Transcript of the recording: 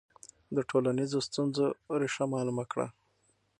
د ټولنیزو ستونزو ریښه معلومه کړه.